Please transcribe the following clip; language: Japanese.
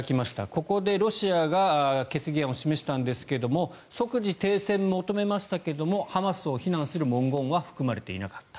ここでロシアが決議案を示したんですが即時停戦を求めましたがハマスを非難する文言は含まれていなかった。